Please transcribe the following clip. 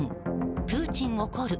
プーチン怒る。